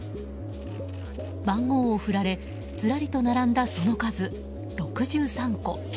番号を振られずらりと並んだ、その数６３個。